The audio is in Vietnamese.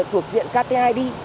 thuộc diện ktid